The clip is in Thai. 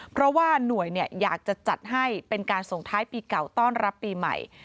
เพราะว่าหน่วยอยากจะจัดให้เป็นการส่งท้ายปีเก่าต้อนรับปีใหม่